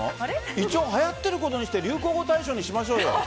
一応はやってることにして流行語大賞にしましょうよ。